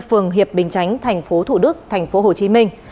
phường hiệp bình chánh thành phố thủ đức thành phố hồ chí minh